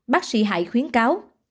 bác sĩ hải khuyến cáo